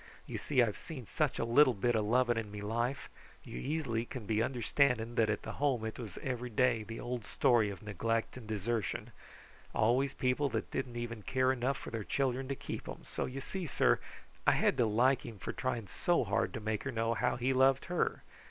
You see, I've seen such a little bit of loving in me life. You easily can be understanding that at the Home it was every day the old story of neglect and desertion. Always people that didn't even care enough for their children to keep them, so you see, sir, I had to like him for trying so hard to make her know how he loved her.